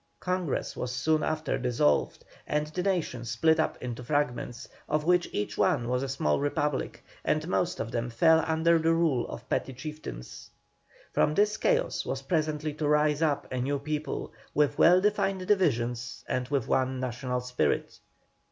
Congress was soon after dissolved, and the nation split up into fragments, of which each one was a small republic, and most of them fell under the rule of petty chieftains. From this chaos was presently to rise up a new people, with well defined divisions and with one national spirit.